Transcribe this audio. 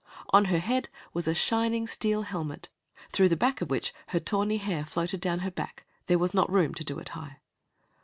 On her head was a shining steel helmet, through the back of which her tawny hair floated down her back there was not room to do it high.